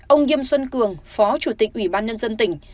ông nghiêm xuân cường phó chủ tịch ủy ban nhân dân tỉnh